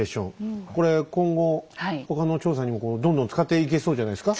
これ今後他の調査にもどんどん使っていけそうじゃないですか？